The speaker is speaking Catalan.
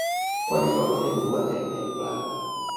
Quan es va poder dur a terme el pla?